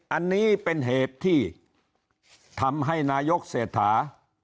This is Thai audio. อันนี้เป็นเหตุที่ทำให้นายกเศรษฐา